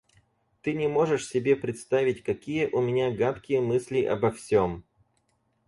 Ты не можешь себе представить, какие у меня гадкие мысли обо всем.